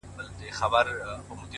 او په لوړ ږغ په ژړا سو ـ